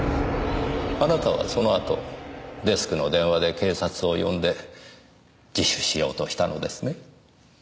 あなたはその後デスクの電話で警察を呼んで自首しようとしたのですね？